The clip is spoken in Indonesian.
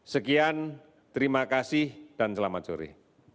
sekian terima kasih dan selamat sore